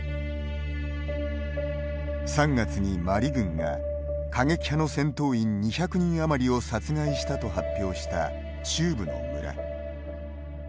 ３月にマリ軍が過激派の戦闘員２００人余りを殺害したと発表した中部の村。